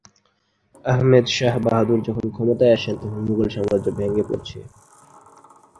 আহমেদ শাহ বাহাদুর যখন ক্ষমতায় আসেন, তখন মুঘল সাম্রাজ্য ভেঙ্গে পড়ছে।